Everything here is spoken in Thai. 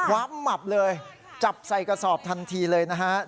ความหมับเลยจับใส่กระสอบทันทีเลยนะฮะ